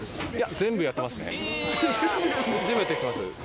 全部やっていきます。